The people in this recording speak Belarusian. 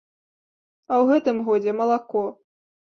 А ў гэтым годзе малако.